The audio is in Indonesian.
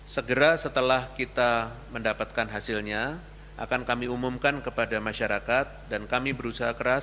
segera setelah kita mendapatkan hasilnya akan kami umumkan kepada masyarakat dan kami berusaha keras